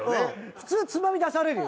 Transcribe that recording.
普通つまみ出されるよ